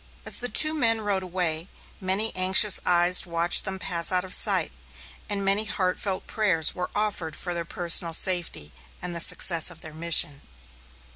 As the two men rode away, many anxious eyes watched them pass out of sight, and many heartfelt prayers were offered for their personal safety, and the success of their mission.